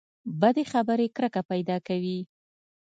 بدې خبرې کرکه پیدا کوي.